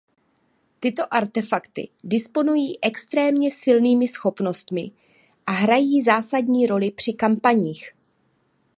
Tyto artefakty disponují extrémně silnými schopnostmi a hrají zásadní roli při kampaních.